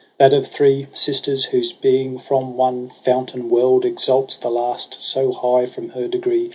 that of three Sisters, whose being from one fountain well'd. Exalts the last so high from her degree.